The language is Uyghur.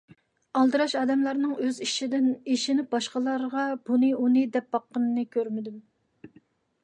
ئالدىراش ئادەملەرنىڭ ئۆز ئىشىدىن ئېشىنىپ باشقىلارغا ئۇنى بۇنى دەپ باققىنىنى كۆرمىدىم.